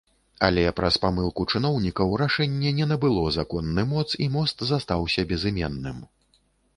Але праз памылку чыноўнікаў рашэнне не набыло законны моц, і мост застаўся безыменным.